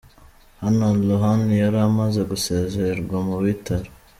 Hano Lohan yari amaze gusezererwa mu bitaro.